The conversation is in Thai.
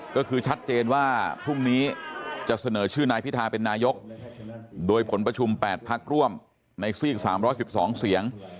ก็คือชัดเจนว่าพรุ่งนี้จะเสนอชื่อนายพิธาเป็นนายกโดยผลประชุม๘พักร่วมในซีก๓๑๒เสียง